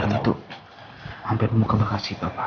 waktu itu hampir mau ke bekasi pak